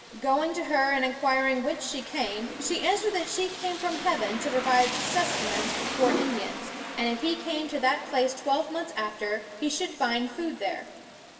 Going to her and inquiring whence she came, she answered that she came from heaven to provide sustenance for poor Indians, and if he came to that place twelve months after, he should find food there.